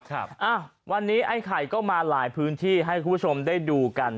ครับอ่ะวันนี้ไอ้ไข่ก็มาหลายพื้นที่ให้คุณผู้ชมได้ดูกัน